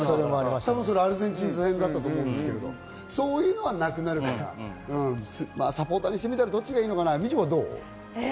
確かアルゼンチン戦だったと思いますけれども、そういうのはなくなるからサポーターにしてみたら、どっちがいいのかな、みちょぱ、どう？